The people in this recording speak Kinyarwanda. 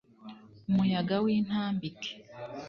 Umuyaga w'intambike